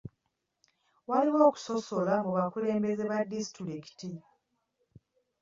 Waliwo okusosola mu bakulembeze ba disitulikiti.